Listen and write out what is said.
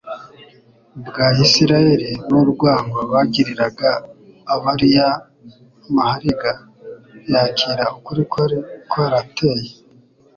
bwa Isiraeli n'urwango bagiriraga abariyamahariga, yakira ukuri kwari kwarateye